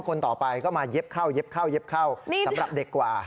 คนต่อไปก็มาเย็บเข้าสำหรับเด็กกว่า